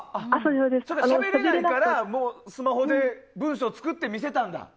しゃべれないからスマホで文章作って見せたんだ。